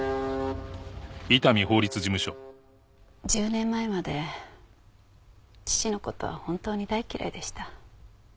１０年前まで父の事は本当に大嫌いでした。